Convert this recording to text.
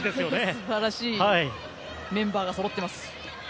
素晴らしいメンバーがそろってます。